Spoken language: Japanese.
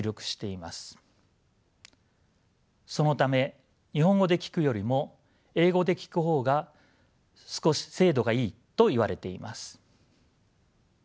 そのため日本語で聞くよりも英語で聞く方が少し精度がいいといわれています。